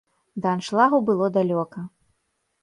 Да аншлагу было далёка.